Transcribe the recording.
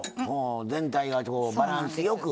全体がバランスよく。